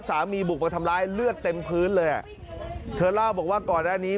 บุกมาทำร้ายเลือดเต็มพื้นเลยอ่ะเธอเล่าบอกว่าก่อนหน้านี้